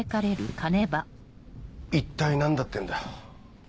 一体何だってんだ？